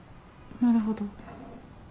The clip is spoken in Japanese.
なるほど。